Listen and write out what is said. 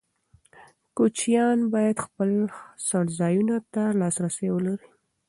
کوچیان باید خپل څړځایونو ته لاسرسی ولري.